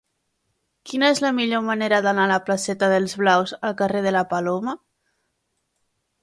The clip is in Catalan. Quina és la millor manera d'anar de la placeta d'Els Blaus al carrer de la Paloma?